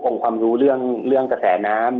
ความรู้เรื่องกระแสน้ำ